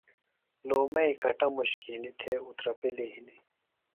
لُومئیۡ کٹموش کھئِنی تھےۡ اُترپِلیۡ ہنیۡ